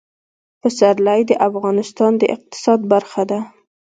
پسرلی د افغانستان د اقتصاد برخه ده.